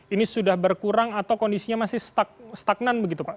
ini sudah berkurang atau kondisinya masih stagnan begitu pak